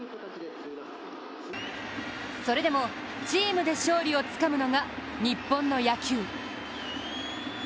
それでもチームで勝利をつかむのが日本の野球。